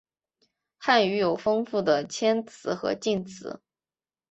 汉语有丰富的谦辞和敬辞。